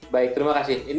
baik terima kasih